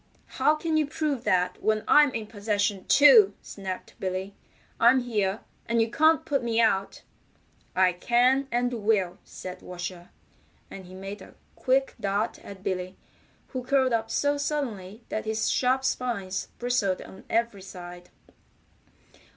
"How can you prove that when I'm in possession, too?" snapped Billy. "I'm here, and you can't put me out." "I can, and will," said Washer, and he made a quick dart at Billy, who curled up so suddenly that his sharp spines bristled on every side.